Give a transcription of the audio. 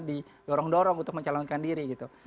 didorong dorong untuk mencalonkan diri gitu